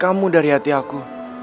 kamu harus kembali